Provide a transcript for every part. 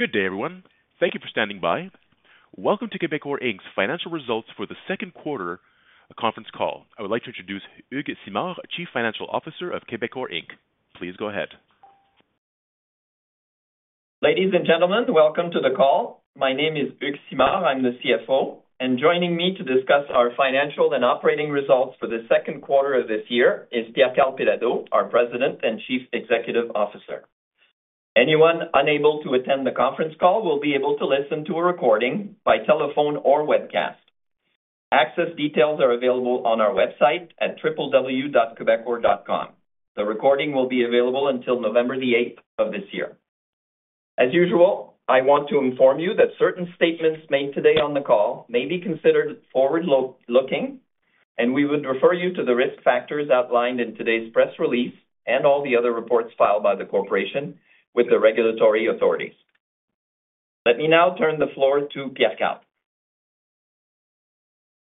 Good day, everyone. Thank you for standing by. Welcome to Quebecor's financial results for the second quarter conference call. I would like to introduce Hugues Simard, Chief Financial Officer of Quebecor Inc. Please go ahead. Ladies and gentlemen, welcome to the call. My name is Hugues Simard, I'm the CFO, and joining me to discuss our financial and operating results for the second quarter of this year is Pierre Karl Péladeau, our President and Chief Executive Officer. Anyone unable to attend the conference call will be able to listen to a recording by telephone or webcast. Access details are available on our website at www.quebecor.com. The recording will be available until 8 November 2024 of this year. As usual, I want to inform you that certain statements made today on the call may be considered forward-looking, and we would refer you to the risk factors outlined in today's press release and all the other reports filed by the Corporation with the regulatory authorities. Let me now turn the floor to Pierre Karl.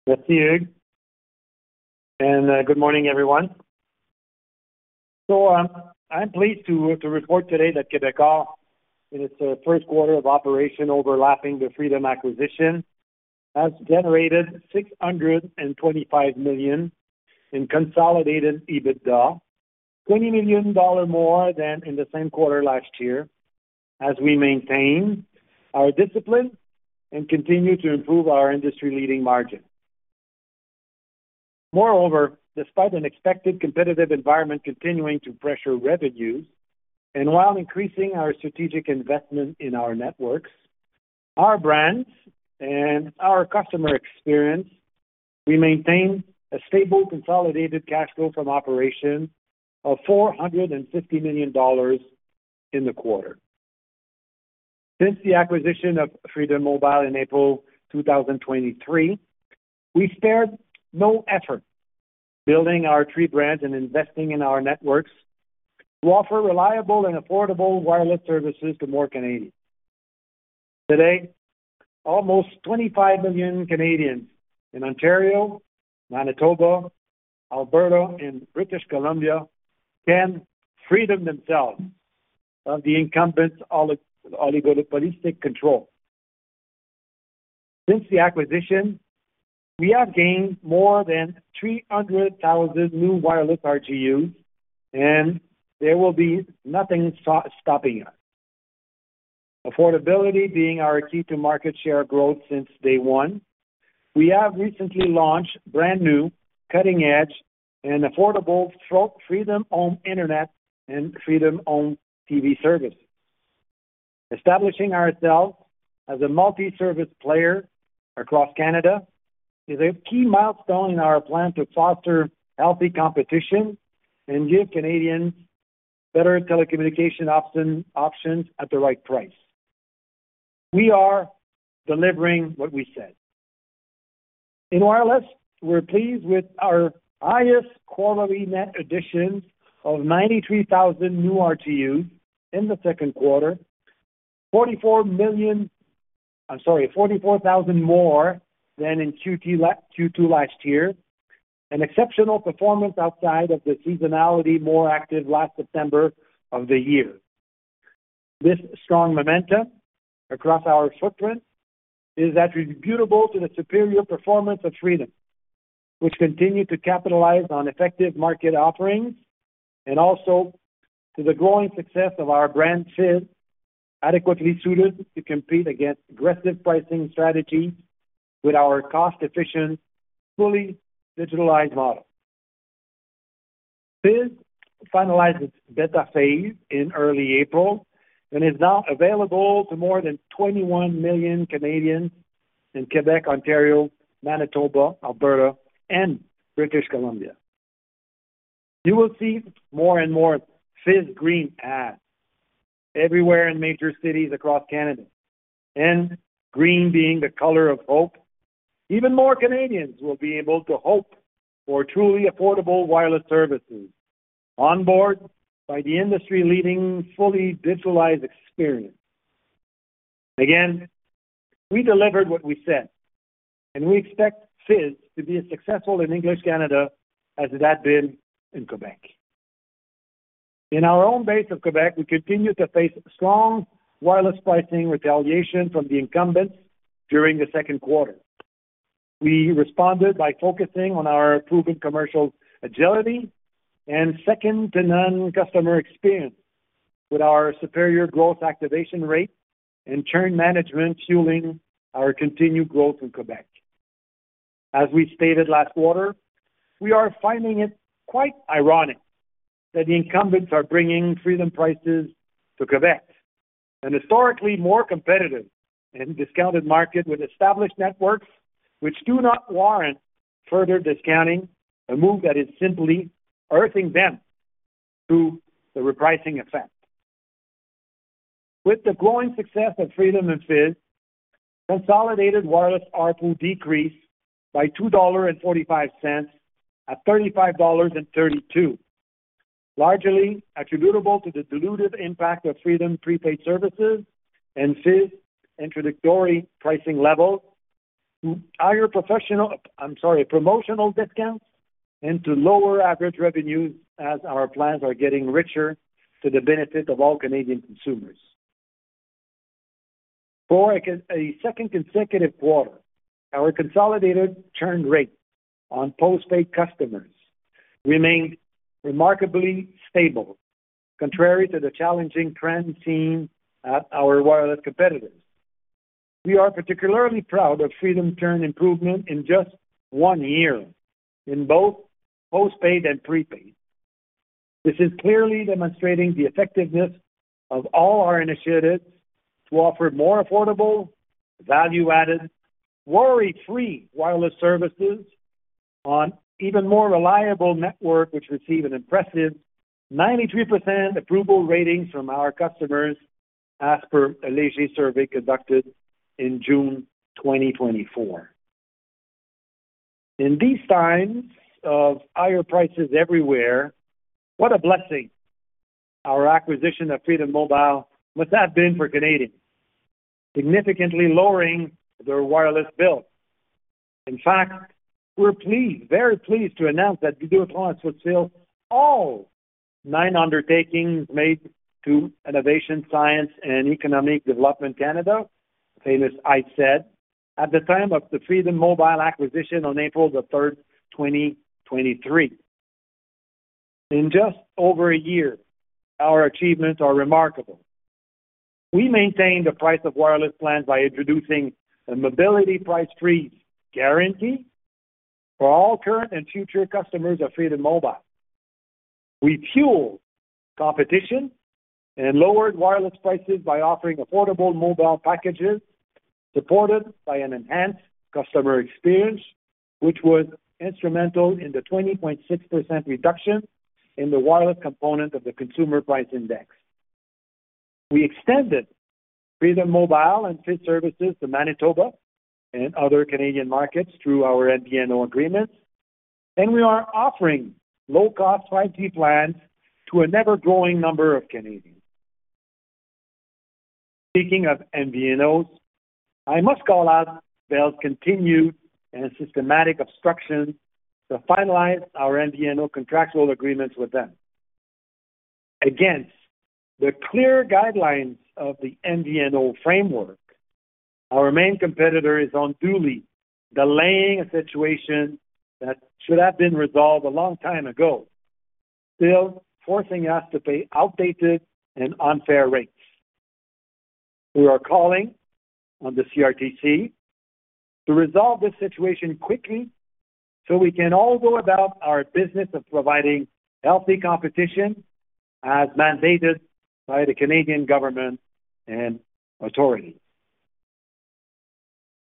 Merci, Hugues. Good morning, everyone. I'm pleased to report today that Quebecor, in its first quarter of operation overlapping the Freedom Acquisition, has generated 625 million in consolidated EBITDA, $20 million more than in the same quarter last year, as we maintain our discipline and continue to improve our industry-leading margin. Moreover, despite an expected competitive environment continuing to pressure revenues, and while increasing our strategic investment in our networks, our brands, and our customer experience, we maintain a stable consolidated cash flow from operations of $450 million in the quarter. Since the acquisition of Freedom Mobile in April 2023, we spared no effort building our tri-brand and investing in our networks to offer reliable and affordable wireless services to more Canadians. Today, almost 25 million Canadians in Ontario, Manitoba, Alberta, and British Columbia can free themselves of the incumbent oligopolistic control. Since the acquisition, we have gained more than 300,000 new wireless RGUs, and there will be nothing stopping us. Affordability being our key to market share growth since day one, we have recently launched brand new, cutting-edge, and affordable Freedom Home Internet and Freedom Home TV services. Establishing ourselves as a multi-service player across Canada is a key milestone in our plan to foster healthy competition and give Canadians better telecommunication options at the right price. We are delivering what we said. In wireless, we're pleased with our highest quality net additions of 93,000 new RGUs in the second quarter, I'm sorry, 44,000 more than in second quarter last year, and exceptional performance outside of the seasonality more active last September of the year. This strong momentum across our footprint is attributable to the superior performance of Freedom, which continued to capitalize on effective market offerings, and also to the growing success of our brand Fizz, adequately suited to compete against aggressive pricing strategies with our cost-efficient, fully digitalized model. Fizz finalized its beta phase in early April and is now available to more than 21 million Canadians in Quebec, Ontario, Manitoba, Alberta, and British Columbia. You will see more and more Fizz green ads everywhere in major cities across Canada, and green being the color of hope, even more Canadians will be able to hope for truly affordable wireless services onboard by the industry-leading fully digitalized experience. Again, we delivered what we said, and we expect Fizz to be as successful in English Canada as it had been in Quebec. In our own base of Quebec, we continue to face strong wireless pricing retaliation from the incumbents during the second quarter. We responded by focusing on our proven commercial agility and second-to-none customer experience with our superior growth activation rate and churn management fueling our continued growth in Quebec. As we stated last quarter, we are finding it quite ironic that the incumbents are bringing Freedom prices to Quebec, an historically more competitive and discounted market with established networks which do not warrant further discounting, a move that is simply hurting them through the repricing effect. With the growing success of Freedom and Fizz, consolidated wireless ARPU decreased by $2.45 at $35.32, largely attributable to the diluted impact of Freedom prepaid services and Fizz's introductory pricing level to higher professional, I'm sorry, promotional discounts and to lower average revenues as our plans are getting richer to the benefit of all Canadian consumers. For a second consecutive quarter, our consolidated churn rate on postpaid customers remained remarkably stable, contrary to the challenging trend seen at our wireless competitors. We are particularly proud of Freedom churn improvement in just one year in both postpaid and prepaid. This is clearly demonstrating the effectiveness of all our initiatives to offer more affordable, value-added, worry-free wireless services on even more reliable networks which receive an impressive 93% approval ratings from our customers as per a survey conducted in June 2024. In these times of higher prices everywhere, what a blessing our acquisition of Freedom Mobile must have been for Canadians, significantly lowering their wireless bill. In fact, we're pleased, very pleased to announce that "Nous devons faire tout pour que tous les nine undertakings made to Innovation, Science and Economic Development Canada," as I said at the time of the Freedom Mobile acquisition on April the 3rd, 2023. In just over a year, our achievements are remarkable. We maintained the price of wireless plans by introducing a mobility price freeze guarantee for all current and future customers of Freedom Mobile. We fueled competition and lowered wireless prices by offering affordable mobile packages supported by an enhanced customer experience, which was instrumental in the 20.6% reduction in the wireless component of the Consumer Price Index. We extended Freedom Mobile and Fizz services to Manitoba and other Canadian markets through our MVNO agreements, and we are offering low-cost 5G plans to an ever-growing number of Canadians. Speaking of MVNOs, I must call out Bell's continued and systematic obstruction to finalize our MVNO contractual agreements with them. Against the clear guidelines of the MVNO framework, our main competitor is unduly delaying a situation that should have been resolved a long time ago, still forcing us to pay outdated and unfair rates. We are calling on the CRTC to resolve this situation quickly so we can all go about our business of providing healthy competition as mandated by the Canadian government and authorities.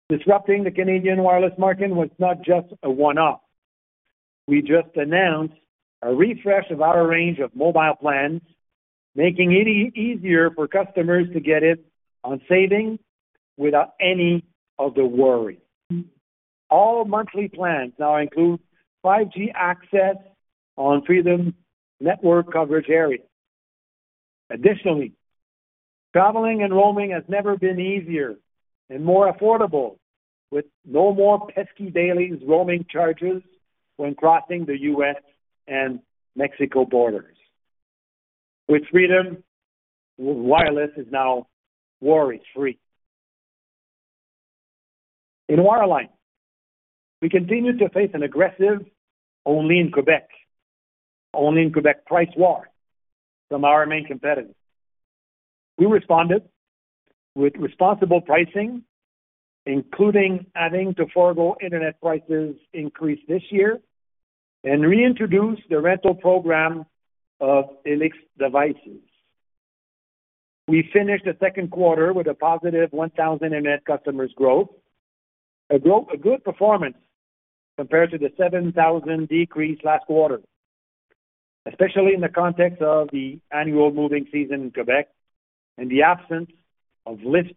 Disrupting the Canadian wireless market was not just a one-off. We just announced a refresh of our range of mobile plans, making it easier for customers to get in on savings without any other worry. All monthly plans now include 5G access on Freedom's network coverage area. Additionally, traveling and roaming has never been easier and more affordable, with no more pesky daily roaming charges when crossing the US and Mexico borders. With Freedom, wireless is now worry-free. In wireline, we continue to face an aggressive only-in-Quebec, only-in-Quebec price war from our main competitors. We responded with responsible pricing, including adding to our internet prices increased this year and reintroduced the rental program of Helix devices. We finished the second quarter with a positive 1,000 internet customers growth, a good performance compared to the 7,000 decrease last quarter, especially in the context of the annual moving season in Quebec and the absence of lift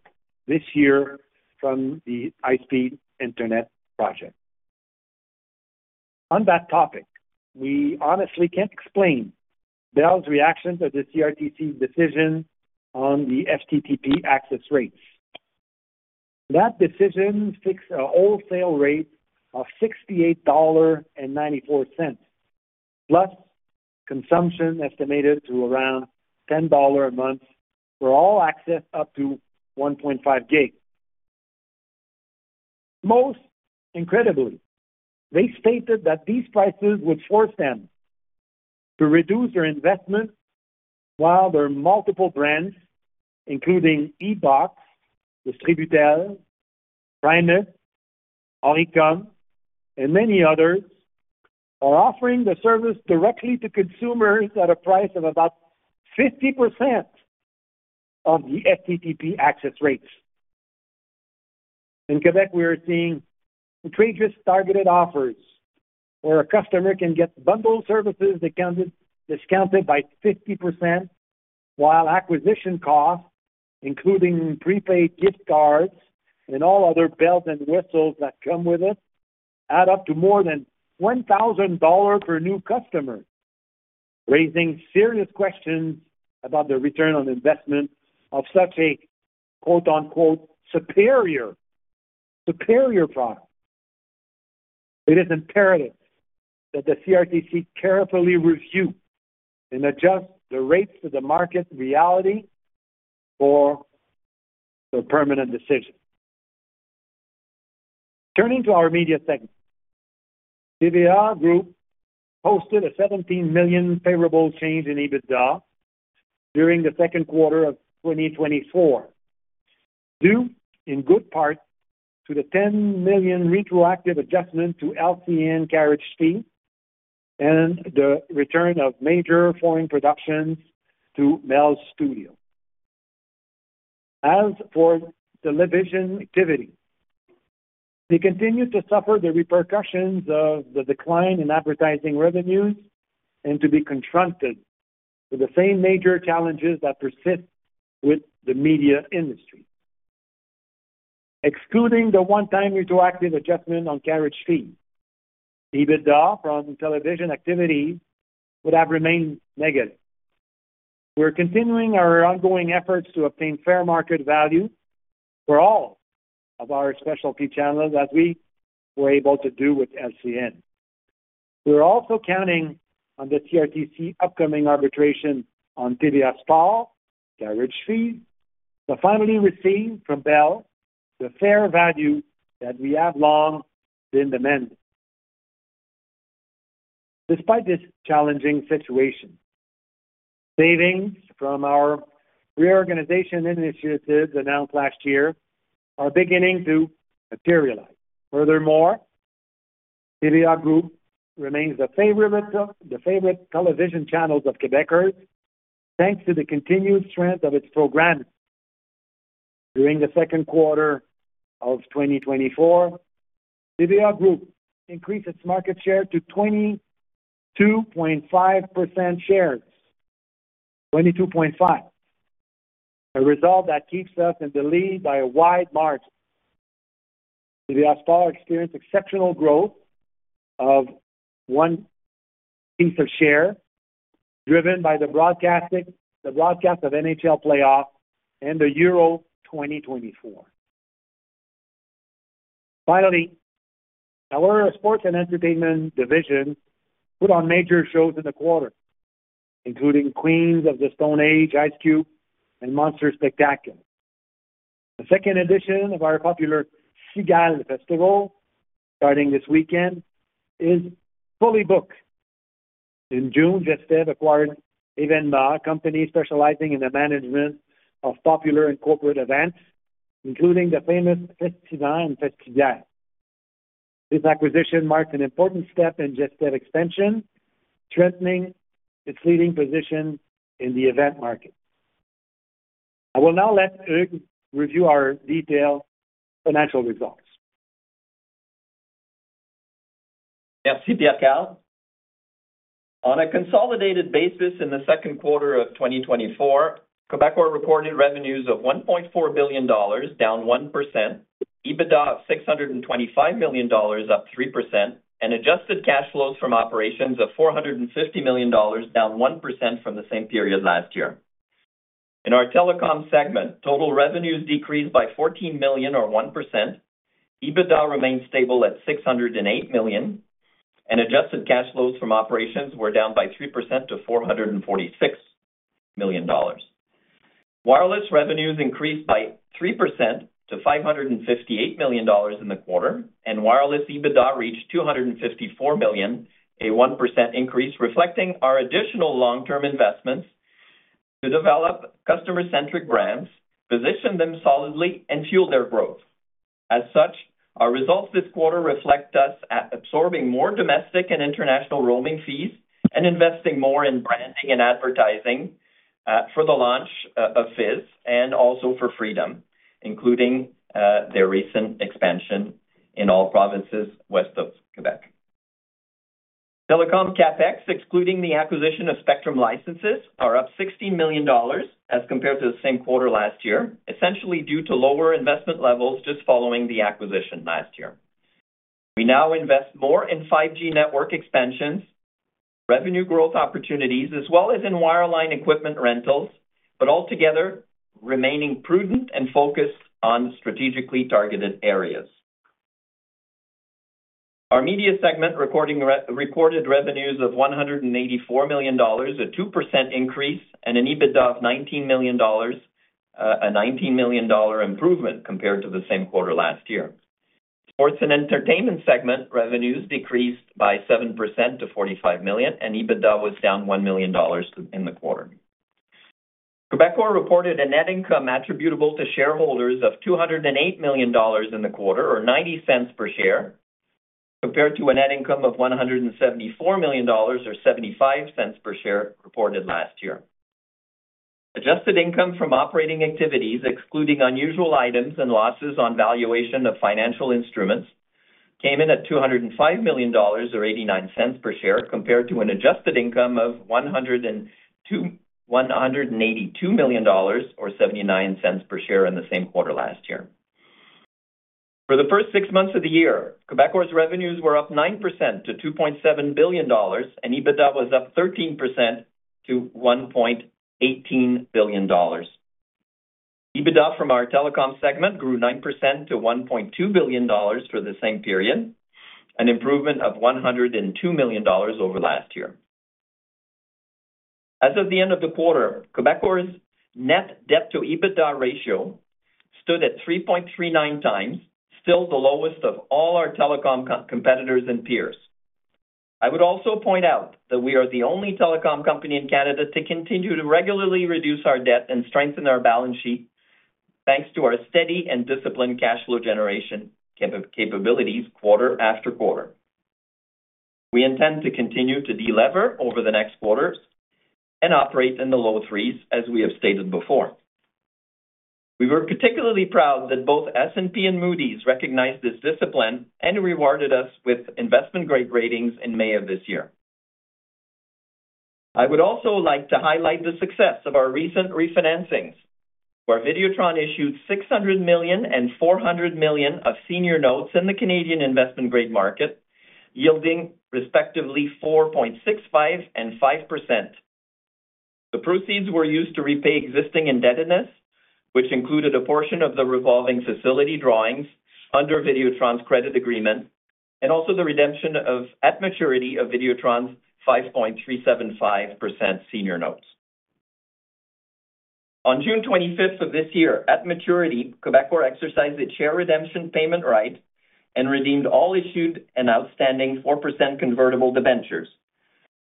this year from the high-speed internet project. On that topic, we honestly can't explain Bell's reaction to the CRTC's decision on the FTTP access rates. That decision fixed a wholesale rate of 68.94 million dollar, plus consumption estimated to around 10 million dollar a month for all access up to 1.5 gig. Most incredibly, they stated that these prices would force them to reduce their investment while their multiple brands, including EBOX, Distributel, Primus, Oricom, and many others, are offering the service directly to consumers at a price of about 50% of the FTTP access rates. In Quebec, we are seeing outrageous targeted offers where a customer can get bundled services discounted by 50%, while acquisition costs, including prepaid gift cards and all other bells and whistles that come with it, add up to more than 1,000 dollars per new customer, raising serious questions about the return on investment of such a quote-unquote superior product. It is imperative that the CRTC carefully review and adjust the rates to the market reality for the permanent decision. Turning to our media segment, TVA Group posted a 17 million favorable change in EBITDA during the second quarter of 2024, due in good part to the 10 million retroactive adjustment to LCN carriage fee and the return of major foreign productions to Bell's studio. As for television activity, they continue to suffer the repercussions of the decline in advertising revenues and to be confronted with the same major challenges that persist with the media industry. Excluding the one-time retroactive adjustment on carriage fee, EBITDA from television activity would have remained negative. We're continuing our ongoing efforts to obtain fair market value for all of our specialty channels as we were able to do with LCN. We're also counting on the CRTC's upcoming arbitration on TVA Sports carriage fee to finally receive from Bell the fair value that we have long been demanding. Despite this challenging situation, savings from our reorganization initiatives announced last year are beginning to materialize. Furthermore, TVA Group remains the favorite television channels of Quebecers thanks to the continued strength of its program. During the second quarter of 2024, TVA Group increased its market share to 22.5% shares, 22.5%, a result that keeps us in the lead by a wide margin. TVA Sports experienced exceptional growth of one point of share driven by the broadcast of NHL playoffs and the Euro 2024. Finally, our sports and entertainment division put on major shows in the quarter, including Queens of the Stone Age, Ice Cube, and Monster Spectacular. The second edition of our popular Cigale Festival starting this weekend is fully booked. In June, Gestev acquired Événements 2M, a company specializing in the management of popular and corporate events, including the famous Festivent and Jamboree. This acquisition marks an important step in Gestev's expansion, strengthening its leading position in the event market. I will now let Hugues review our detailed financial results. Merci, Pierre Karl. On a consolidated basis, in the second quarter of 2024, Quebecor reported revenues of $1.4 billion, down 1%, EBITDA of $625 million, up 3%, and adjusted cash flows from operations of $450 million, down 1% from the same period last year. In our telecom segment, total revenues decreased by 14 million, or 1%. EBITDA remained stable at $608 million, and adjusted cash flows from operations were down by 3% to $446 million. Wireless revenues increased by 3% to $558 million in the quarter, and wireless EBITDA reached $254 million, a 1% increase, reflecting our additional long-term investments to develop customer-centric brands, position them solidly, and fuel their growth. As such, our results this quarter reflect us at absorbing more domestic and international roaming fees and investing more in branding and advertising for the launch of Fizz and also for Freedom, including their recent expansion in all provinces west of Quebec. Telecom CapEx, excluding the acquisition of Spectrum licenses, are up $16 million as compared to the same quarter last year, essentially due to lower investment levels just following the acquisition last year. We now invest more in 5G network expansions, revenue growth opportunities, as well as in wireline equipment rentals, but altogether remaining prudent and focused on strategically targeted areas. Our media segment recorded revenues of $184 million, a 2% increase, and an EBITDA of $19 million, a $19 million improvement compared to the same quarter last year. Sports and entertainment segment revenues decreased by 7% to $45 million, and EBITDA was down $1 million in the quarter. Quebecor reported a net income attributable to shareholders of 208 million dollars in the quarter, or 0.90 per share, compared to a net income of 174 million dollars, or 0.75 per share, reported last year. Adjusted income from operating activities, excluding unusual items and losses on valuation of financial instruments, came in at 205 million dollars, or 0.89 per share, compared to an adjusted income of 182 million dollars, or 0.79 per share in the same quarter last year. For the first six months of the year, Quebecor's revenues were up 9% to 2.7 billion dollars, and EBITDA was up 13% to 1.18 billion dollars. EBITDA from our telecom segment grew 9% to 1.2 billion dollars for the same period, an improvement of 102 million dollars over last year. As of the end of the quarter, Quebecor's net debt-to-EBITDA ratio stood at 3.39 times, still the lowest of all our telecom competitors and peers. I would also point out that we are the only telecom company in Canada to continue to regularly reduce our debt and strengthen our balance sheet, thanks to our steady and disciplined cash flow generation capabilities quarter after quarter. We intend to continue to delever over the next quarters and operate in the low threes, as we have stated before. We were particularly proud that both S&P and Moody's recognized this discipline and rewarded us with investment-grade ratings in May of this year. I would also like to highlight the success of our recent refinancings, where Vidéotron issued 600 million and 400 million of senior notes in the Canadian investment-grade market, yielding respectively 4.65% and 5%. The proceeds were used to repay existing indebtedness, which included a portion of the revolving facility drawings under Vidéotron's credit agreement, and also the redemption of at maturity of Vidéotron's 5.375% senior notes. On 25 June 2024 of this year, at maturity, Quebecor exercised its share redemption payment right and redeemed all issued and outstanding 4% convertible debentures.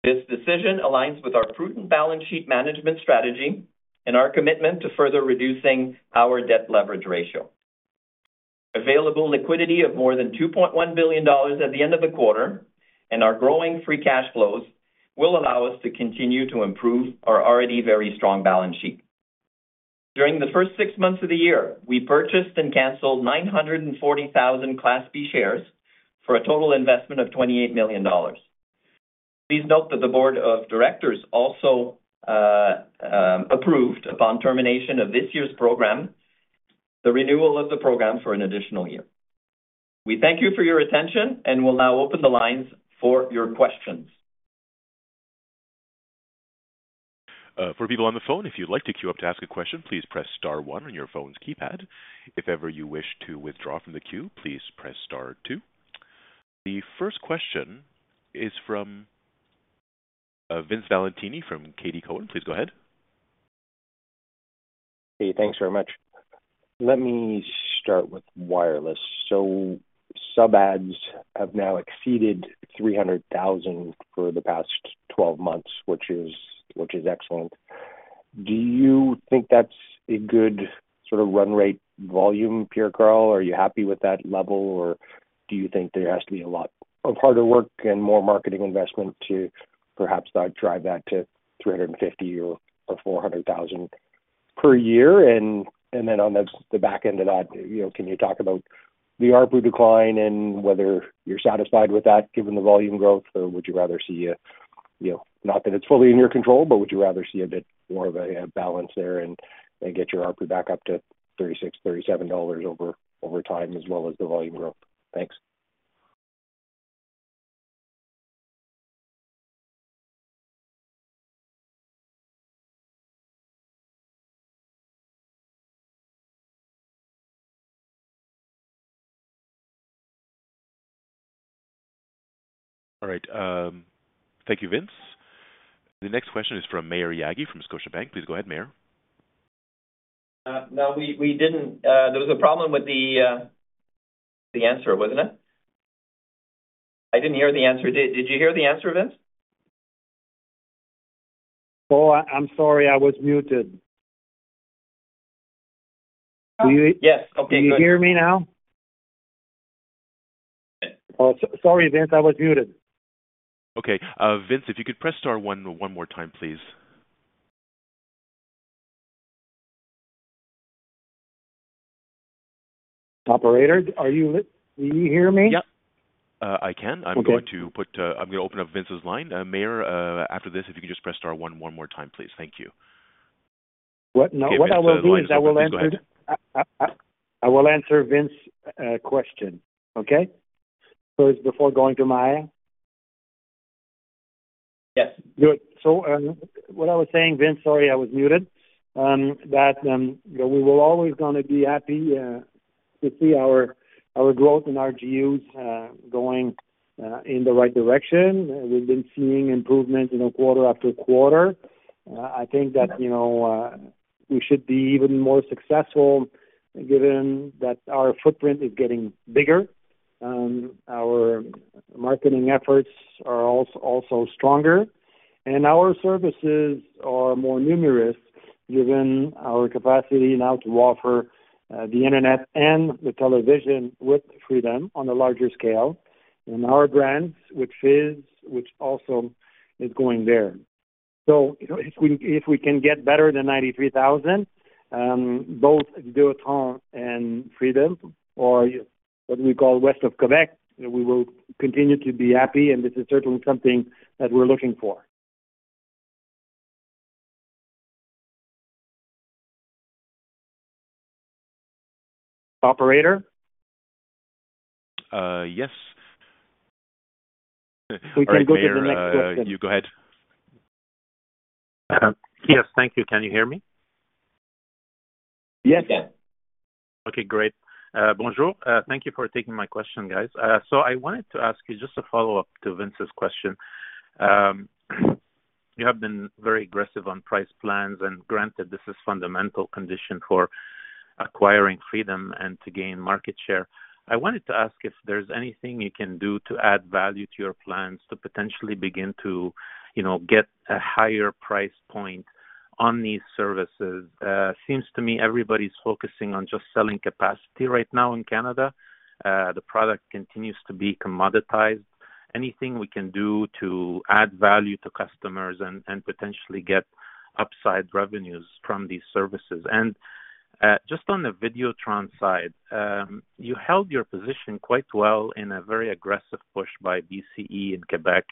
This decision aligns with our prudent balance sheet management strategy and our commitment to further reducing our debt leverage ratio. Available liquidity of more than 2.1 billion dollars at the end of the quarter and our growing free cash flows will allow us to continue to improve our already very strong balance sheet. During the first six months of the year, we purchased and canceled 940,000 Class B shares for a total investment of 28 million dollars. Please note that the Board of Directors also approved, upon termination of this year's program, the renewal of the program for an additional year. We thank you for your attention and will now open the lines for your questions. For people on the phone, if you'd like to queue up to ask a question, please press star one on your phone's keypad. If ever you wish to withdraw from the queue, please press star two. The first question is from Vince Valentini from TD Cowen. Please go ahead. Hey, thanks very much. Let me start with wireless. So sub-ads have now exceeded 300,000 for the past 12 months, which is excellent. Do you think that's a good sort of run rate volume, Pierre Karl? Are you happy with that level, or do you think there has to be a lot of harder work and more marketing investment to perhaps drive that to 350,000 or 400,000 per year? And then on the back end of that, can you talk about the ARPU decline and whether you're satisfied with that given the volume growth, or would you rather see a—not that it's fully in your control, but would you rather see a bit more of a balance there and get your ARPU back up to $36, $37 over time as well as the volume growth? Thanks. All right. Thank you, Vince. The next question is from Maher Yaghi from Scotiabank. Please go ahead, Maher. No, we didn't. There was a problem with the answer, wasn't it? I didn't hear the answer. Did you hear the answer, Vince? Oh, I'm sorry. I was muted. Yes. Okay. Do you hear me now? Sorry, Vince. I was muted. Okay. Vince, if you could press star one, one more time, please. Operator, do you hear me? Yep. I can. I'm going to open up Vince's line. Maher, after this, if you could just press star one, one more time, please. Thank you. What I will do is I will answer Vince's question, okay? First, before going to Maher. Yes. Good. So, what I was saying, Vince, sorry, I was muted, that we were always going to be happy to see our growth in our RGUs going in the right direction. We've been seeing improvements quarter after quarter. I think that we should be even more successful given that our footprint is getting bigger. Our marketing efforts are also stronger, and our services are more numerous given our capacity now to offer the internet and the television with Freedom on a larger scale, and our brand, which also is going there. So, if we can get better than 93,000, both Vidéotron and Freedom, or what we call west of Quebec, we will continue to be happy, and this is certainly something that we're looking for. Operator? Yes. We can go to the next question. You go ahead. Yes, thank you. Can you hear me? Yes. Okay, great. Bonjour. Thank you for taking my question, guys. So, I wanted to ask you just a follow-up to Vince's question. You have been very aggressive on price plans, and granted, this is a fundamental condition for acquiring Freedom and to gain market share. I wanted to ask if there's anything you can do to add value to your plans to potentially begin to get a higher price point on these services. It seems to me everybody's focusing on just selling capacity right now in Canada. The product continues to be commoditized. Anything we can do to add value to customers and potentially get upside revenues from these services. Just on the Vidéotron side, you held your position quite well in a very aggressive push by BCE in Quebec.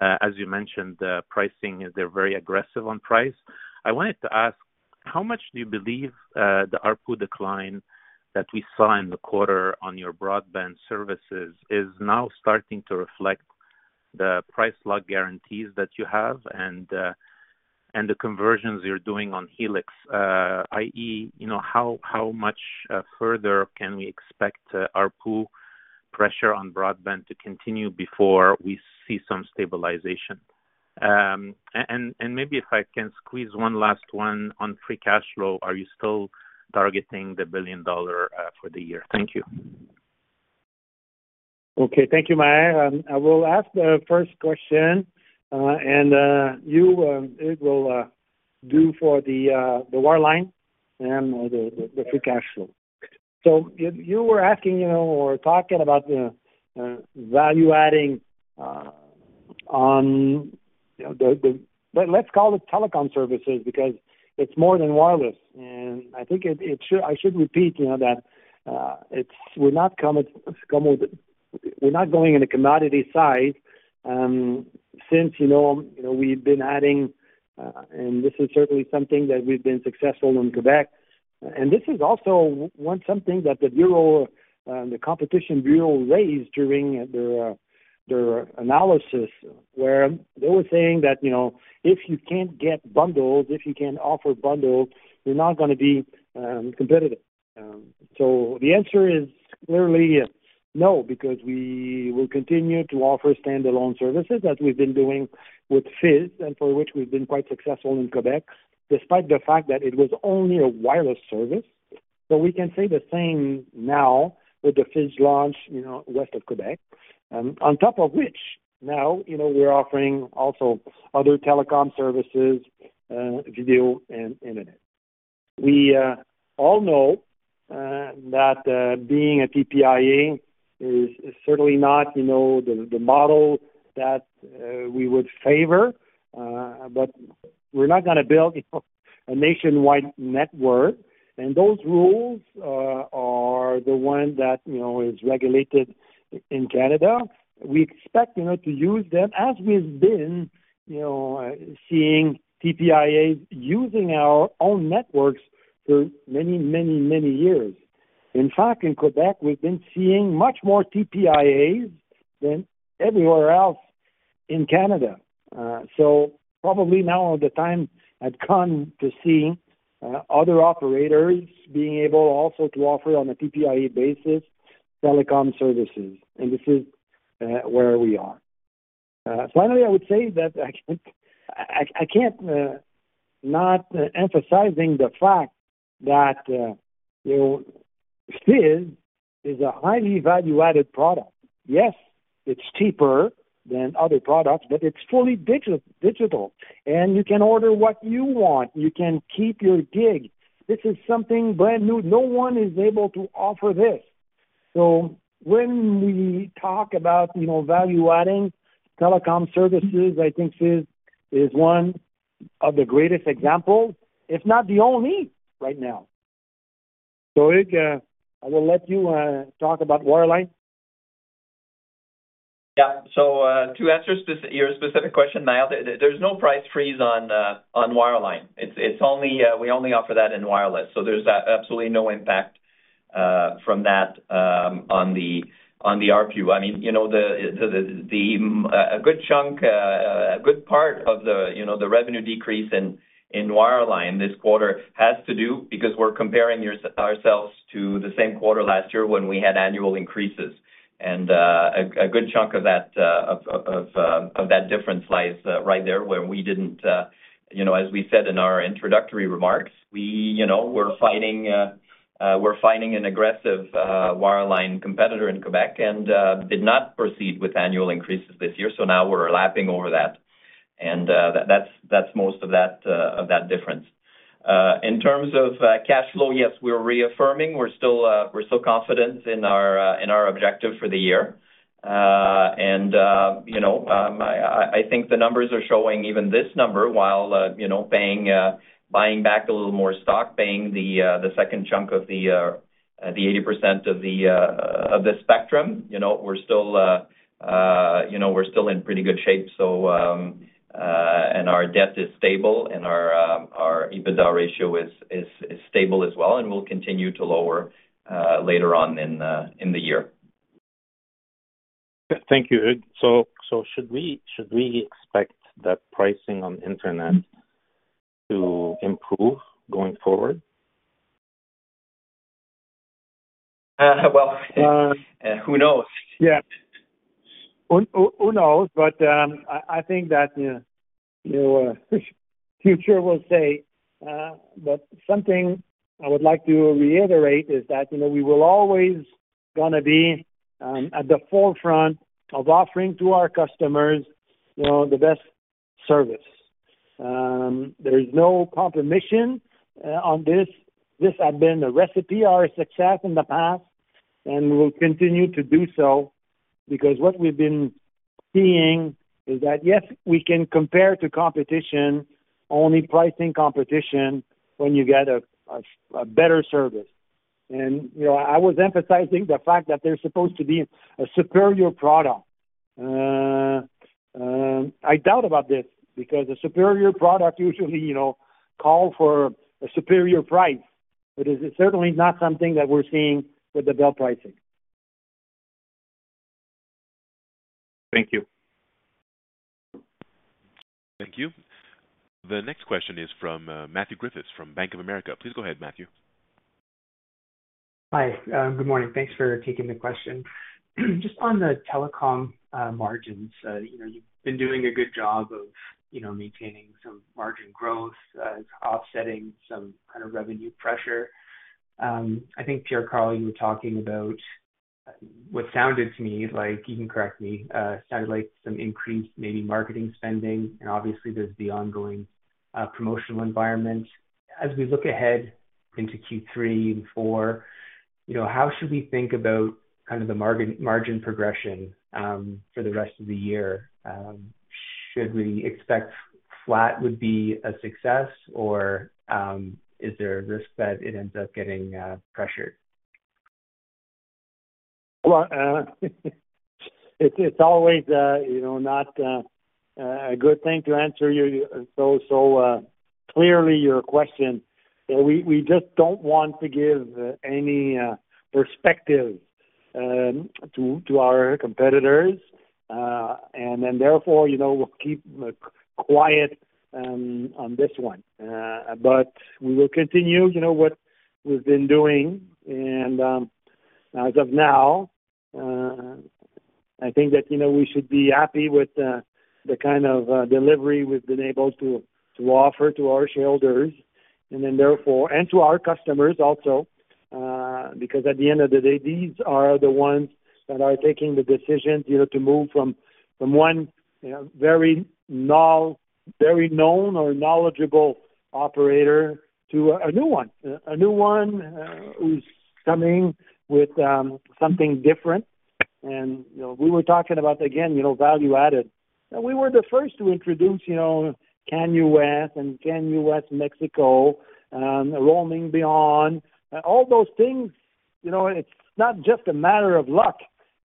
As you mentioned, they're very aggressive on price. I wanted to ask, how much do you believe the ARPU decline that we saw in the quarter on your broadband services is now starting to reflect the price lock guarantees that you have and the conversions you're doing on Helix, i.e., how much further can we expect ARPU pressure on broadband to continue before we see some stabilization? And maybe if I can squeeze one last one on free cash flow, are you still targeting 1 billion dollar for the year? Thank you. Okay, thank you, Maher. I will answer the first question, and it will do for the wireline and the free cash flow. So, you were asking or talking about the value adding on the, let's call it telecom services because it's more than wireless. And I think I should repeat that we're not going in a commodity side since we've been adding, and this is certainly something that we've been successful in Quebec. And this is also something that the competition bureau raised during their analysis, where they were saying that if you can't get bundles, if you can't offer bundles, you're not going to be competitive. So, the answer is clearly no because we will continue to offer standalone services as we've been doing with Fizz and for which we've been quite successful in Quebec, despite the fact that it was only a wireless service. So we can say the same now with the Fizz launch west of Quebec, on top of which now we're offering also other telecom services, video, and internet. We all know that being a TPIA is certainly not the model that we would favor, but we're not going to build a nationwide network. And those rules are the one that is regulated in Canada. We expect to use them, as we've been seeing TPIAs using our own networks for many, many, many years. In fact, in Quebec, we've been seeing much more TPIAs than everywhere else in Canada. So probably now the time had come to see other operators being able also to offer on a TPIA basis telecom services. And this is where we are. Finally, I would say that I can't not emphasize the fact that Fizz is a highly value-added product. Yes, it's cheaper than other products, but it's fully digital. And you can order what you want. You can keep your gig. This is something brand new. No one is able to offer this. So, when we talk about value-adding telecom services, I think Fizz is one of the greatest examples, if not the only, right now. So, I will let you talk about wireline. Yeah. So, to answer your specific question, Maher, there's no price freeze on wireline. We only offer that in wireless. So, there's absolutely no impact from that on the ARPU. I mean, a good chunk, a good part of the revenue decrease in wireline this quarter has to do because we're comparing ourselves to the same quarter last year when we had annual increases. And a good chunk of that difference lies right there, where we didn't, as we said in our introductory remarks, we were finding an aggressive wireline competitor in Quebec and did not proceed with annual increases this year. So now we're lapping over that. And that's most of that difference. In terms of cash flow, yes, we're reaffirming. We're still confident in our objective for the year. And I think the numbers are showing even this number while buying back a little more stock, paying the second chunk of the 80% of the spectrum. We're still in pretty good shape. And our debt is stable, and our EBITDA ratio is stable as well. And we'll continue to lower later on in the year. Thank you. So, should we expect that pricing on internet to improve going forward? Well, who knows? Yeah. Who knows? But I think that future will say. But something I would like to reiterate is that we will always going to be at the forefront of offering to our customers the best service. There is no compromise on this. This has been the recipe of our success in the past, and we will continue to do so because what we've been seeing is that, yes, we can compare to competition, only pricing competition when you get a better service. And I was emphasizing the fact that there's supposed to be a superior product. I doubt about this because a superior product usually calls for a superior price. But it's certainly not something that we're seeing with the Bell pricing. Thank you. Thank you. The next question is from Matthew Griffiths from Bank of America. Please go ahead, Matthew. Hi. Good morning. Thanks for taking the question. Just on the telecom margins, you've been doing a good job of maintaining some margin growth, offsetting some kind of revenue pressure. I think, Pierre Karl, you were talking about what sounded to me like, you can correct me, sounded like some increased maybe marketing spending. And obviously, there's the ongoing promotional environment. As we look ahead into third quarter and fourth quarter, how should we think about kind of the margin progression for the rest of the year? Should we expect flat would be a success, or is there a risk that it ends up getting pressured? Well, it's always not a good thing to answer so clearly your question. We just don't want to give any perspective to our competitors. And then therefore, we'll keep quiet on this one. But we will continue what we've been doing. And as of now, I think that we should be happy with the kind of delivery we've been able to offer to our shareholders and to our customers also because at the end of the day, these are the ones that are taking the decision to move from one very known or knowledgeable operator to a new one, a new one who's coming with something different. And we were talking about, again, value added. And we were the first to introduce Canada-US and Canada-US-Mexico, Roam Beyond, all those things. It's not just a matter of luck.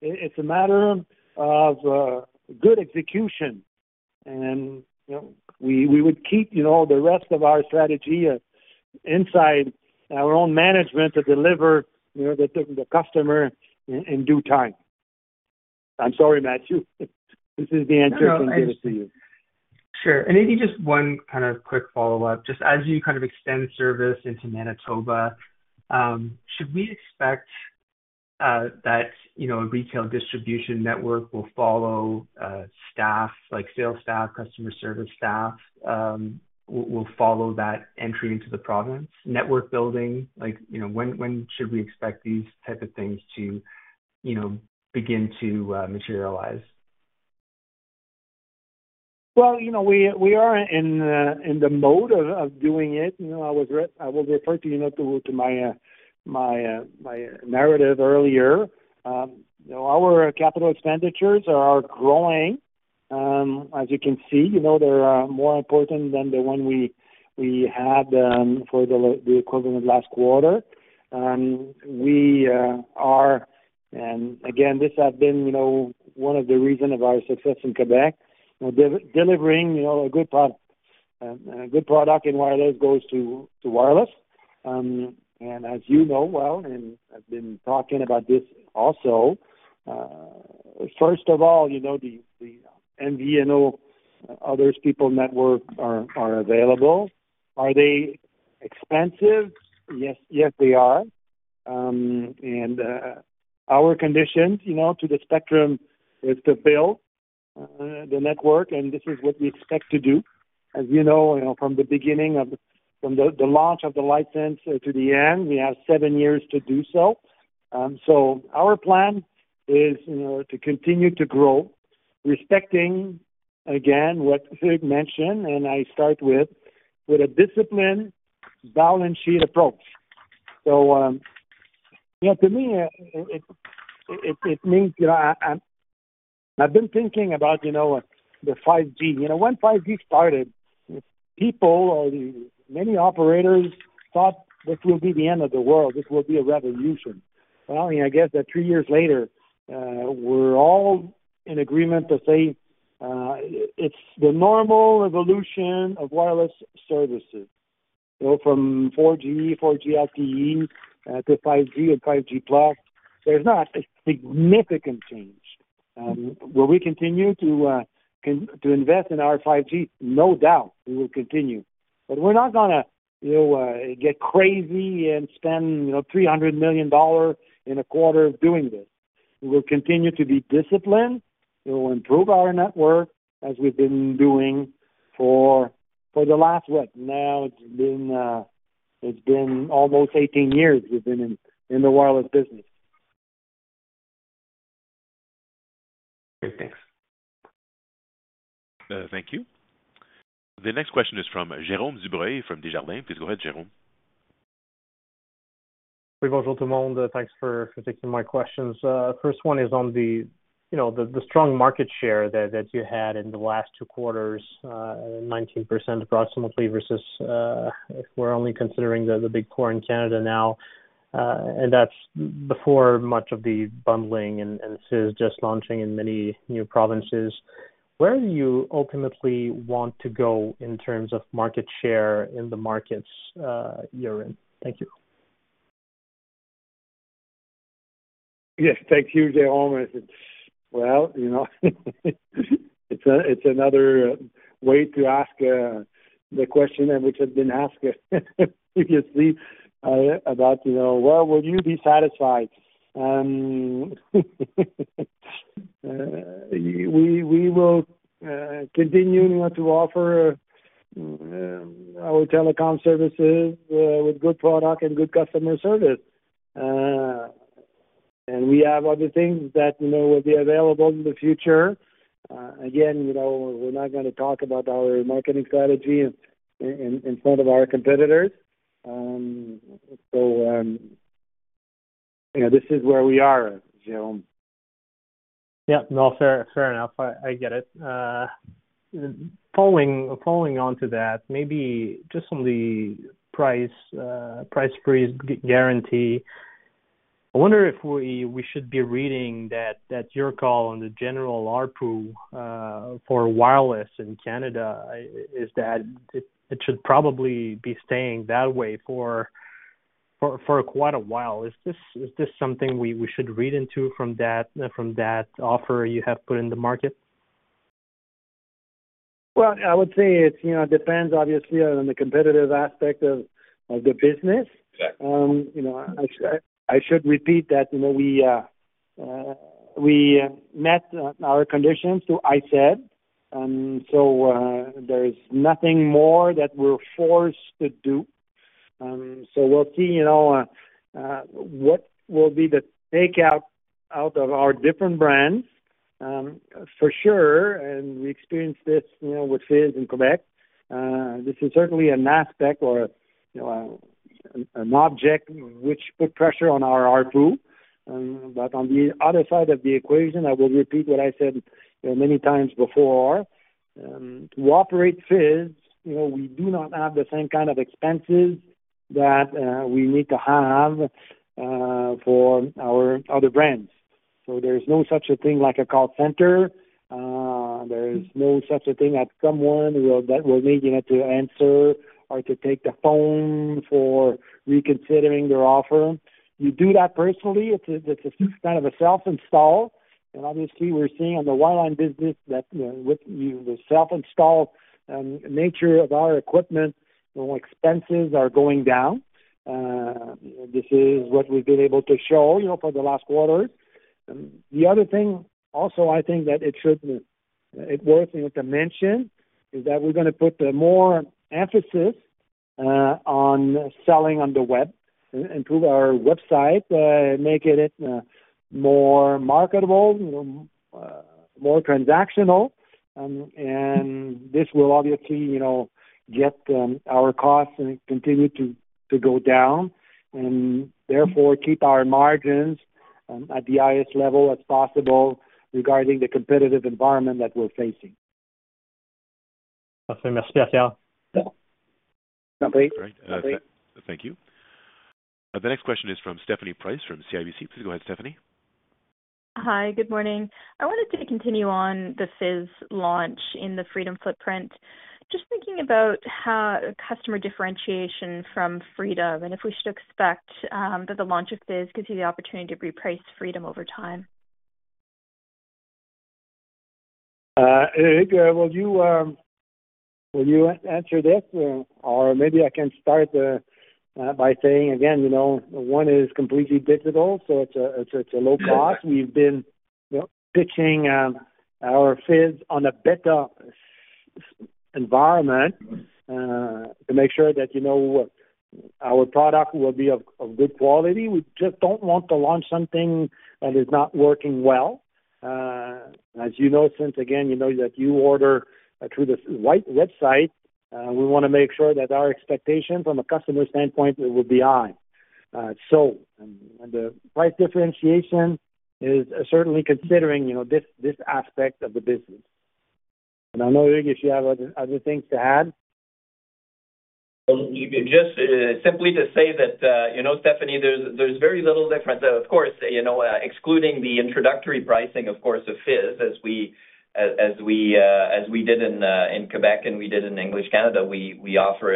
It's a matter of good execution. And we would keep the rest of our strategy inside our own management to deliver to the customer in due time. I'm sorry, Matthew. This is the answer I'm giving to you. Sure. And maybe just one kind of quick follow-up. Just as you kind of extend service into Manitoba, should we expect that a retail distribution network will follow staff, like sales staff, customer service staff will follow that entry into the province? Network building, when should we expect these types of things to begin to materialize? Well, we are in the mode of doing it. I will refer to my narrative earlier. Our capital expenditures are growing. As you can see, they're more important than the one we had for the equivalent last quarter. We are, and again, this has been one of the reasons of our success in Quebec, delivering a good product. A good product in wireless goes to wireless. And as you know well, and I've been talking about this also, first of all, the MVNO, other people's networks are available. Are they expensive? Yes, they are. Our condition to the spectrum is to build the network. This is what we expect to do. As you know, from the beginning of the launch of the license to the end, we have seven years to do so. Our plan is to continue to grow, respecting, again, what Hugh mentioned, and I start with a disciplined balance sheet approach. To me, it means I've been thinking about the 5G. When 5G started, people or many operators thought this will be the end of the world. This will be a revolution. Well, I guess that three years later, we're all in agreement to say it's the normal evolution of wireless services. From 4G, 4G LTE to 5G and 5G Plus, there's not a significant change. Will we continue to invest in our 5G? No doubt we will continue. But we're not going to get crazy and spend 300 million dollars in a quarter doing this. We will continue to be disciplined. We'll improve our network as we've been doing for the last, what, now it's been almost 18 years we've been in the wireless business. Great. Thanks. Thank you. The next question is from Jérôme Dubreuil from Desjardins. Please go ahead, Jérôme. Oui, bonjour tout le monde. Thanks for taking my questions. First one is on the strong market share that you had in the last two quarters, 19% approximately versus if we're only considering the big four in Canada now. And that's before much of the bundling and Fizz just launching in many new provinces. Where do you ultimately want to go in terms of market share in the markets you're in? Thank you. Yes. Thank you, Jérôme. Well, it's another way to ask the question that we have been asked previously about, "Well, will you be satisfied?" We will continue to offer our telecom services with good product and good customer service. And we have other things that will be available in the future. Again, we're not going to talk about our marketing strategy in front of our competitors. So, this is where we are, Jérome. Yeah. No, fair enough. I get it. Following on to that, maybe just on the price freeze guarantee, I wonder if we should be reading that your call on the general ARPU for wireless in Canada is that it should probably be staying that way for quite a while. Is this something we should read into from that offer you have put in the market? Well, I would say it depends, obviously, on the competitive aspect of the business. I should repeat that we met our conditions to ISED. So, there is nothing more that we're forced to do. So, we'll see what will be the takeout out of our different brands. For sure, and we experienced this with Fizz in Quebec. This is certainly an aspect or an object which put pressure on our ARPU. But on the other side of the equation, I will repeat what I said many times before. To operate Fizz, we do not have the same kind of expenses that we need to have for our other brands. So, there's no such a thing like a call center. There is no such a thing that someone will need to answer or to take the phone for reconsidering their offer. You do that personally. It's kind of a self-install. Obviously, we're seeing on the wireline business that with the self-install nature of our equipment, expenses are going down. This is what we've been able to show for the last quarter. The other thing also I think that it's worth to mention is that we're going to put more emphasis on selling on the web, improve our website, make it more marketable, more transactional. And this will obviously get our costs and continue to go down and therefore keep our margins at the highest level as possible regarding the competitive environment that we're facing. Merci beaucoup. Great. Thank you. The next question is from Stephanie Price from CIBC. Please go ahead, Stephanie. Hi. Good morning. I wanted to continue on the Fizz launch in the Freedom footprint. Just thinking about customer differentiation from Freedom and if we should expect that the launch of Fizz could see the opportunity to reprice Freedom over time. Well, you answered this, or maybe I can start by saying again, one is completely digital, so it's a low cost. We've been pitching our Fizz on a better environment to make sure that our product will be of good quality. We just don't want to launch something that is not working well. As you know, since again, that you order through the right website, we want to make sure that our expectations from a customer standpoint will be high. So, the price differentiation is certainly considering this aspect of the business. And I know if you have other things to add. Just simply to say that, Stephanie, there's very little difference. Of course, excluding the introductory pricing, of course, of Fizz as we did in Quebec and we did in English Canada, we offer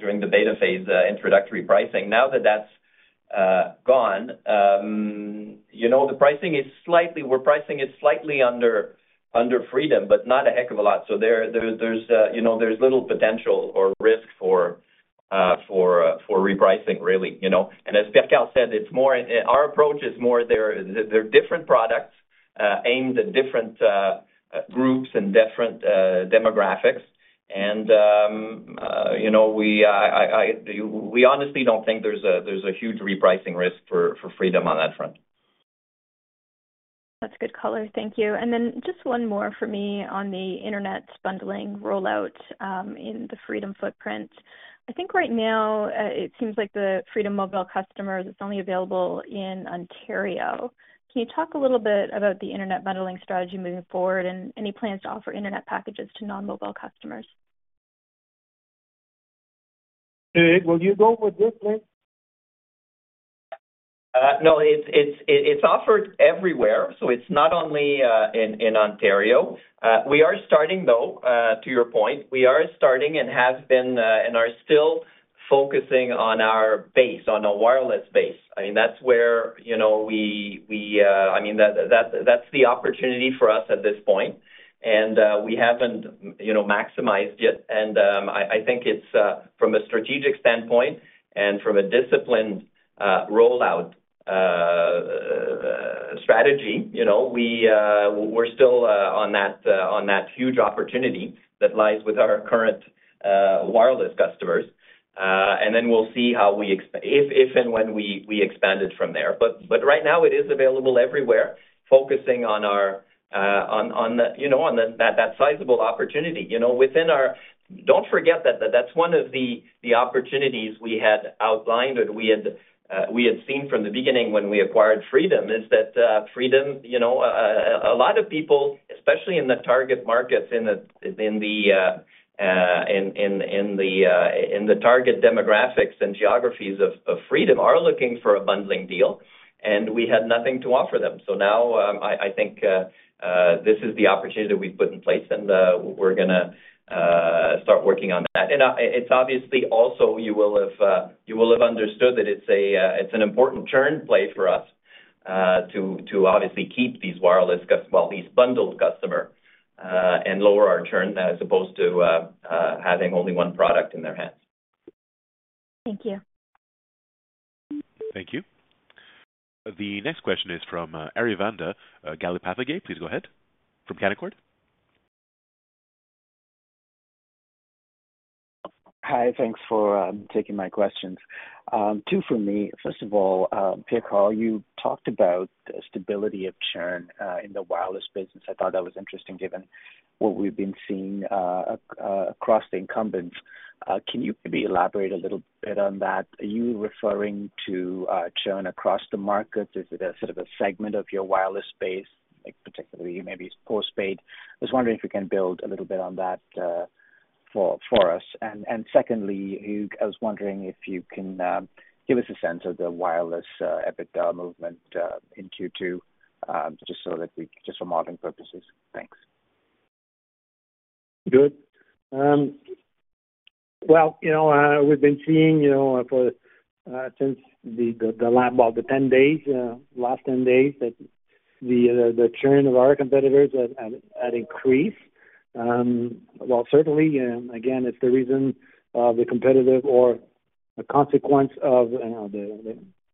during the beta phase introductory pricing. Now that that's gone, the pricing is slightly we're pricing it slightly under Freedom, but not a heck of a lot. So, there's little potential or risk for repricing, really. And as Pierre Karl said, our approach is more there are different products aimed at different groups and different demographics. And we honestly don't think there's a huge repricing risk for Freedom on that front. That's a good color. Thank you. And then just one more for me on the internet bundling rollout in the Freedom Footprint. I think right now it seems like the Freedom Mobile customers, it's only available in Ontario. Can you talk a little bit about the internet bundling strategy moving forward and any plans to offer internet packages to non-mobile customers? Will you go with this, Hugues? No, it's offered everywhere. So, it's not only in Ontario. We are starting, though, to your point. We are starting and have been and are still focusing on our base, on a wireless base. I mean, that's where I mean, that's the opportunity for us at this point. And we haven't maximized it. And I think from a strategic standpoint and from a disciplined rollout strategy, we're still on that huge opportunity that lies with our current wireless customers. And then we'll see how if and when we expand it from there. But right now, it is available everywhere, focusing on that sizable opportunity. Within our, don't forget that that's one of the opportunities we had outlined or we had seen from the beginning when we acquired Freedom is that Freedom, a lot of people, especially in the target markets, in the target demographics and geographies of Freedom, are looking for a bundling deal. We had nothing to offer them. Now I think this is the opportunity we've put in place, and we're going to start working on that. It's obviously also you will have understood that it's an important churn play for us to obviously keep these wireless, well, these bundled customers and lower our churn as opposed to having only one product in their hands. Thank you. Thank you. The next question is from Aravinda Galappatthige. Please go ahead. From Canaccord. Hi. Thanks for taking my questions. Two for me. First of all, Pierre Karl, you talked about stability of churn in the wireless business. I thought that was interesting given what we've been seeing across the incumbents. Can you maybe elaborate a little bit on that? Are you referring to churn across the market? Is it a sort of a segment of your wireless space, particularly maybe postpaid? I was wondering if you can build a little bit on that for us. And secondly, Hugh, I was wondering if you can give us a sense of the wireless EBITDA movement in second quarter just for modeling purposes. Thanks. Good. Well, we've been seeing since the last 10 days, the churn of our competitors had increased. Well, certainly, again, it's the reason of the competitive or a consequence of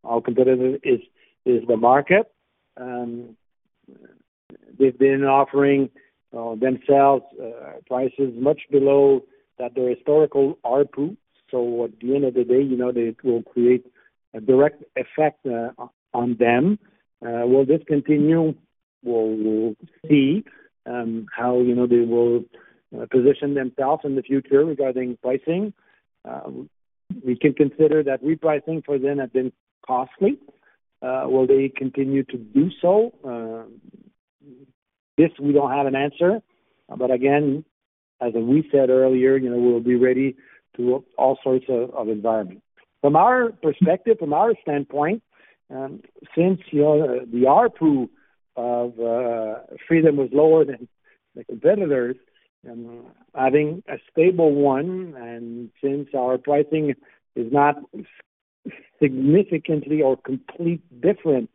our competitive is the market. They've been offering themselves prices much below their historical ARPU. So, at the end of the day, it will create a direct effect on them. Will this continue? We'll see how they will position themselves in the future regarding pricing. We can consider that repricing for them has been costly. Will they continue to do so? This, we don't have an answer. But again, as we said earlier, we'll be ready to all sorts of environments. From our perspective, from our standpoint, since the ARPU of Freedom was lower than the competitors, having a stable one, and since our pricing is not significantly or completely different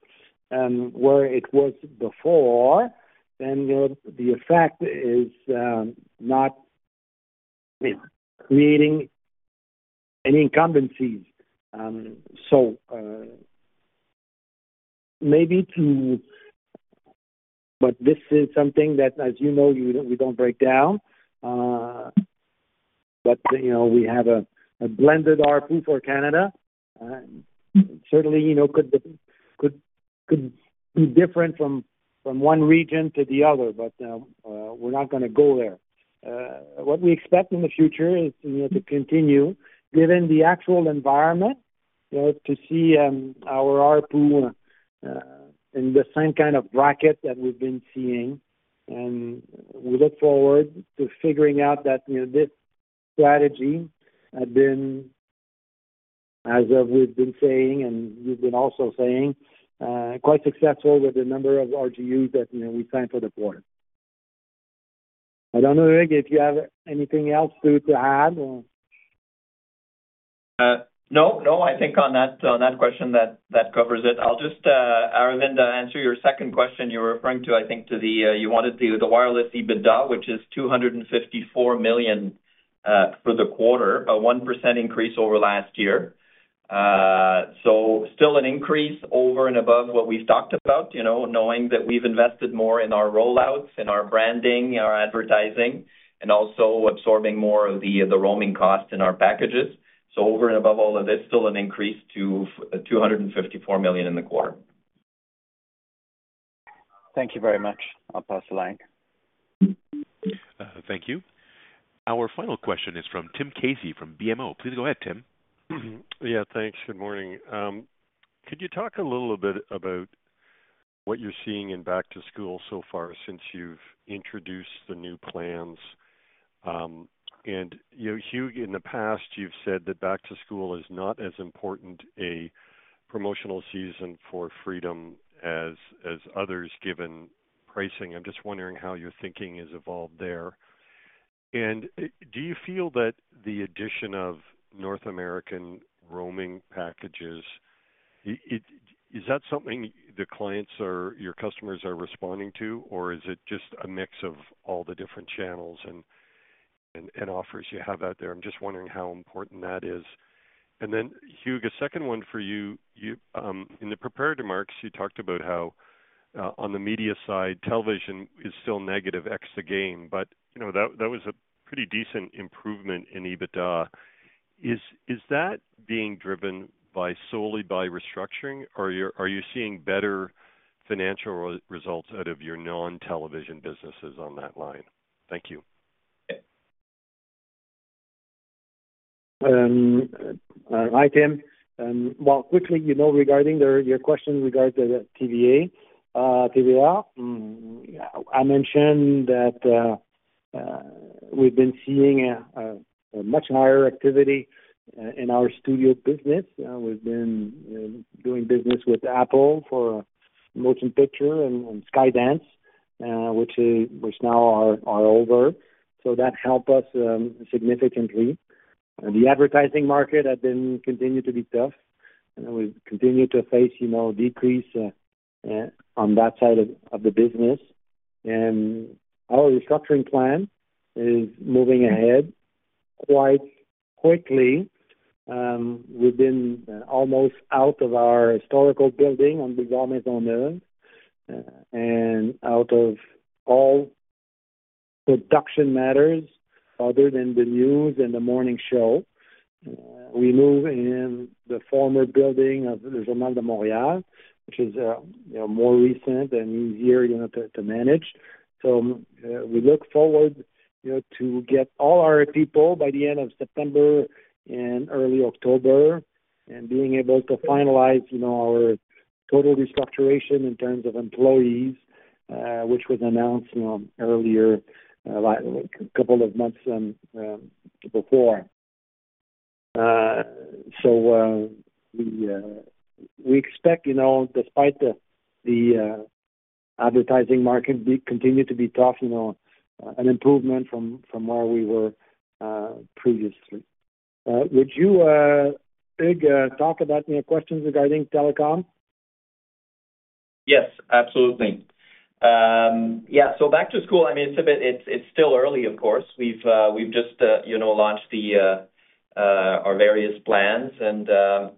where it was before, then the effect is not creating any incumbencies. So, maybe to. But this is something that, as you know, we don't break down. But we have a blended ARPU for Canada. Certainly, could be different from one region to the other, but we're not going to go there. What we expect in the future is to continue, given the actual environment, to see our ARPU in the same kind of bracket that we've been seeing. We look forward to figuring out that this strategy had been, as we've been saying, and you've been also saying, quite successful with the number of RGUs that we signed for the quarter. I don't know, Hugues, if you have anything else to add? No, no. I think on that question, that covers it. I'll just, Aravinda, answer your second question. You were referring to, I think, to the you wanted the wireless EBITDA, which is 254 million for the quarter, a 1% increase over last year. So still an increase over and above what we've talked about, knowing that we've invested more in our rollouts, in our branding, our advertising, and also absorbing more of the roaming costs in our packages. So, over and above all of this, still an increase to 254 million in the quarter. Thank you very much. I'll pass the line. Thank you. Our final question is from Tim Casey from BMO. Please go ahead, Tim. Yeah. Thanks. Good morning. Could you talk a little bit about what you're seeing in back-to-school so far since you've introduced the new plans? And Hugh, in the past, you've said that back-to-school is not as important a promotional season for Freedom as others given pricing. I'm just wondering how your thinking has evolved there. And do you feel that the addition of North American roaming packages is something the clients or your customers are responding to, or is it just a mix of all the different channels and offers you have out there? I'm just wondering how important that is. And then, Hugues, a second one for you. In the preparatory remarks, you talked about how on the media side, television is still negative except the game, but that was a pretty decent improvement in EBITDA. Is that being driven solely by restructuring, or are you seeing better financial results out of your non-television businesses on that line? Thank you. Hi, Tim. Well, quickly, regarding your question regarding the TVA, I mentioned that we've been seeing a much higher activity in our studio business. We've been doing business with Apple for motion picture and Skydance, which now are older. So that helped us significantly. The advertising market has been continuing to be tough, and we continue to face decrease on that side of the business. And our restructuring plan is moving ahead quite quickly. We've been almost out of our historical building on the De Maisonneuve and out of all production matters other than the news and the morning show. We move in the former building of the Journal de Montréal, which is more recent and easier to manage. So, we look forward to get all our people by the end of September and early October and being able to finalize our total restructuring in terms of employees, which was announced earlier, a couple of months before. So, we expect, despite the advertising market to continue to be tough, an improvement from where we were previously. Would you, Hugues, talk about your questions regarding telecom? Yes, absolutely. Yeah. So back-to-school, I mean, it's still early, of course. We've just launched our various plans, but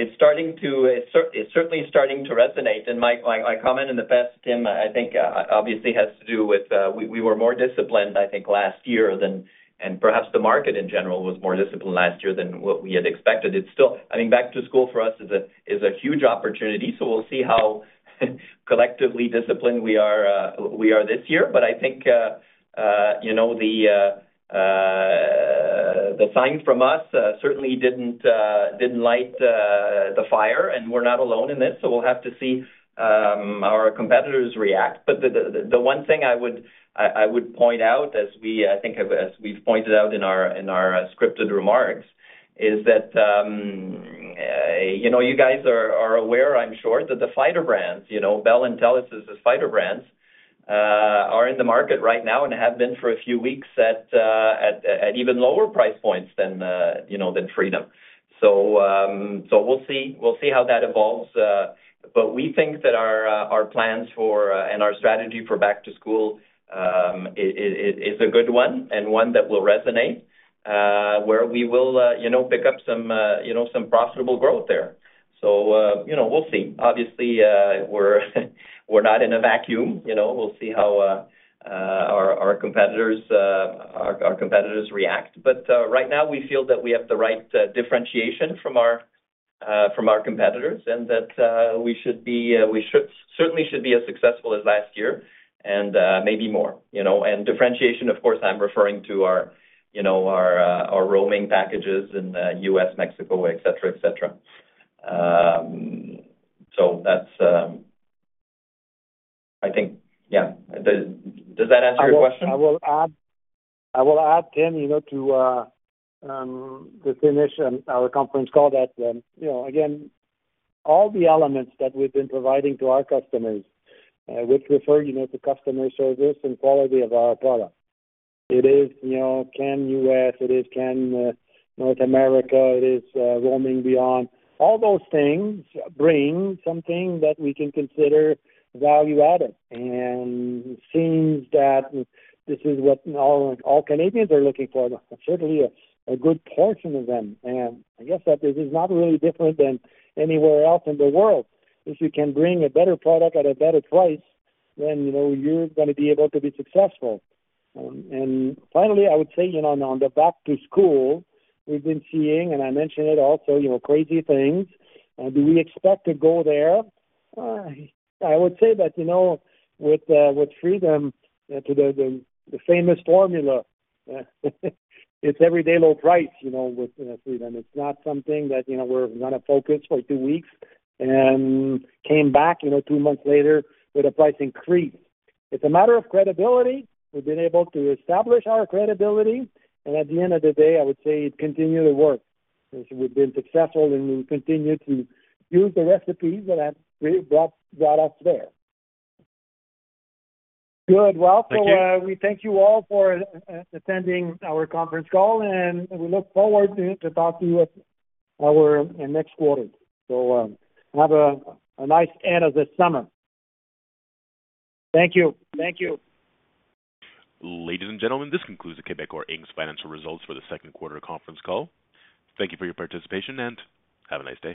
it's certainly starting to resonate. My comment in the past, Tim, I think obviously has to do with we were more disciplined, I think, last year, and perhaps the market in general was more disciplined last year than what we had expected. I mean, back-to-school for us is a huge opportunity, so we'll see how collectively disciplined we are this year. But I think the sign from us certainly didn't light the fire, and we're not alone in this, so we'll have to see our competitors react. But the one thing I would point out, as we think of, as we've pointed out in our scripted remarks, is that you guys are aware, I'm sure, that the fighter brands, Bell and Telus as fighter brands, are in the market right now and have been for a few weeks at even lower price points than Freedom. So we'll see how that evolves. But we think that our plans and our strategy for back-to-school is a good one and one that will resonate, where we will pick up some profitable growth there. So, we'll see. Obviously, we're not in a vacuum. We'll see how our competitors react. But right now, we feel that we have the right differentiation from our competitors and that we should be we certainly should be as successful as last year and maybe more. And differentiation, of course, I'm referring to our roaming packages in the US, Mexico, etc., etc. So, I think, yeah. Does that answer your question? I will add, Tim, to finish our conference call that, again, all the elements that we've been providing to our customers, which refer to customer service and quality of our product. It is Canada-US, it is Canada to North America, it is Roam Beyond. All those things bring something that we can consider value-added. And it seems that this is what all Canadians are looking for, certainly a good portion of them. And I guess that this is not really different than anywhere else in the world. If you can bring a better product at a better price, then you're going to be able to be successful. And finally, I would say on the back-to-school, we've been seeing, and I mentioned it also, crazy things. Do we expect to go there? I would say that with Freedom, the famous formula, it's everyday low price with Freedom. It's not something that we're going to focus for two weeks and came back two months later with a price increase. It's a matter of credibility. We've been able to establish our credibility. And at the end of the day, I would say continue to work. We've been successful, and we'll continue to use the recipes that have brought us there. Good. Well, we thank you all for attending our conference call, and we look forward to talking with our next quarter. So have a nice end of the summer. Thank you. Thank you. Ladies and gentlemen, this concludes the Quebecor Inc.'s financial results for the second quarter conference call. Thank you for your participation and have a nice day.